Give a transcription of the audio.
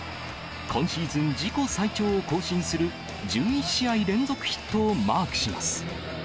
今シーズン自己最長を更新する１１試合連続ヒットをマークします。